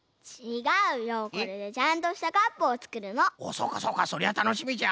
そうかそうかそりゃたのしみじゃ。